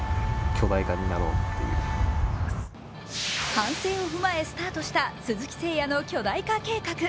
反省を踏まえスタートした鈴木誠也の巨大化計画。